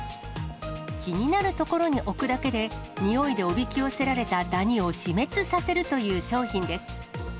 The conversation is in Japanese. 気になる所に置くだけで、においでおびき寄せられたダニを死滅させるという商品です。